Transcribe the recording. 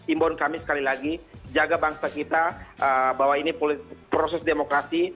imbauan kami sekali lagi jaga bangsa kita bahwa ini proses demokrasi